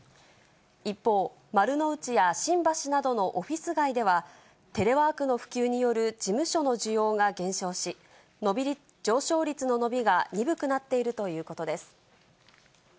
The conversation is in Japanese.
一方、丸の内や新橋などのオフィス街では、テレワークの普及による事務所の需要が減少し、上昇率の伸びが鈍くなっているということです。